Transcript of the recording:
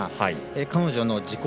彼女の自己